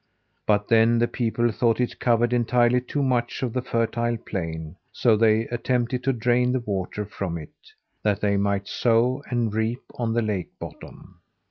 But then the people thought it covered entirely too much of the fertile plain, so they attempted to drain the water from it, that they might sow and reap on the lake bottom.